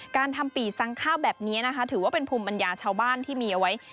การทำปี่ซังข้าวแบบนี้นะคะถือว่าเป็นภูมิปัญญาชาวบ้านที่มีเอาไว้